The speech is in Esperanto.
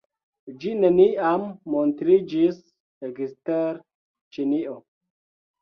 Ĝi neniam montriĝis ekster Ĉinio.